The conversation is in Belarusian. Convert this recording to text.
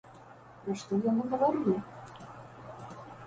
Пра што яны гаварылі?